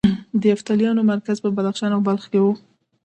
د یفتلیانو مرکز په بدخشان او بلخ کې و